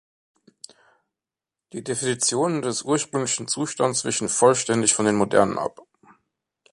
Die Definitionen des ursprünglichen Zustands wichen vollständig von den modernen ab.